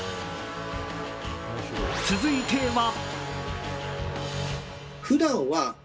続いては。